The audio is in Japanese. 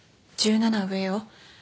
１７上よ。